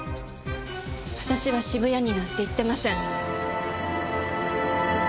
私は渋谷になんて行ってません。